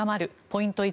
ポイント